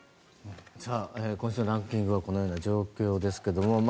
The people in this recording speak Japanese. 今週のランキングはこのような状況ですけども。